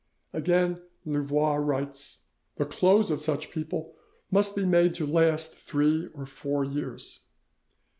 Again Louvois writes: "The clothes of such people must be made to last three or four years."